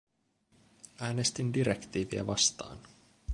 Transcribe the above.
Äänestin direktiiviä vastaan.